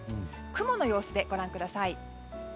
雲の様子でご覧ください。